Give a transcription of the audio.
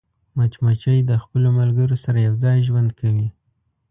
مچمچۍ د خپلو ملګرو سره یوځای ژوند کوي